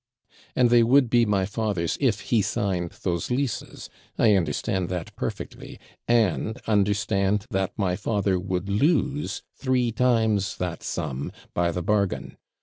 'And they would be my father's if he signed those leases I understand that perfectly, and understand that my father would lose three times that sum by the bargain.